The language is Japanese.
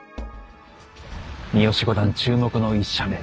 三好五段注目の１射目。